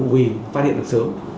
vì phát hiện được sớm